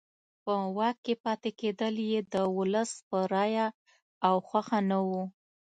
په واک کې پاتې کېدل یې د ولس په رایه او خوښه نه وو.